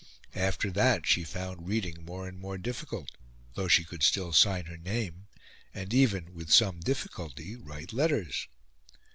After that, she found reading more and more difficult, though she could still sign her name, and even, with some difficulty, write letters.